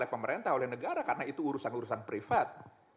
oleh pemerintah oleh negara karena itu urusan urusan privat